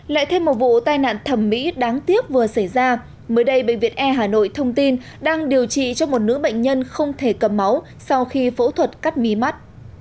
lại thêm một vụ tai nạn thẩm mỹ đáng tiếc vừa xảy ra mới đây bệnh viện e hà nội thông tin đang điều trị cho một nữ bệnh nhân không thể cầm máu sau khi phẫu thuật cắt mí mắt